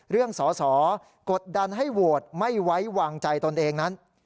เรื่องสอสอกดดันให้โหวตไม่ไว้วางใจตนเองนั้น